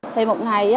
thì một ngày